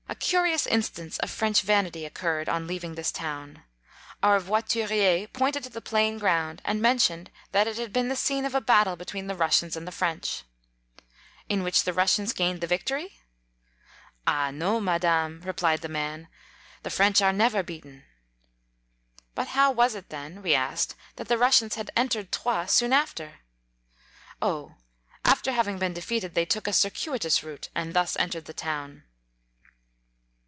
A curious instance of French vanity occurred on leaving this town. Our voiturier pointed to the plain around, and mentioned, that it had been the scene of a battle between the Russians and the French. " In which the Rus sians gained the victory ?"—" Ah no, Madame/' replied the man, " the French are never beaten." " But how was it then," we asked, " that the Russians had entered Troyes soon af ter ?"—" Oh, after having been de feated, they took a circuitous route, and thus entered the town."